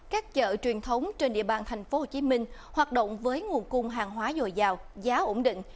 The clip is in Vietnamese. các chợ truyền thống trên địa bàn tp hcm hoạt động với nguồn cung hàng hóa dồi dào giá ổn định